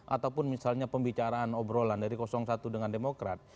ataupun misalnya pembicaraan obrolan dari satu dengan demokrat